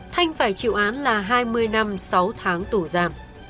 thanh phải chịu án là hai mươi năm sáu tháng tù giam